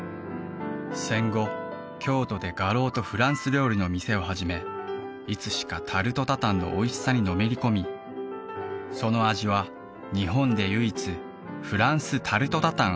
戦後京都で画廊とフランス料理の店を始めいつしかタルトタタンのおいしさにのめり込みその味は日本で唯一フランスタルトタタン